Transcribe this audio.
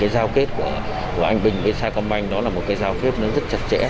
giao kết của anh bình với sa công bang đó là một giao kết rất chặt chẽ